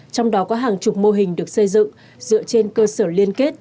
trong đó có hàng chục mô hình được xây dựng dựa trên cơ sở liên kết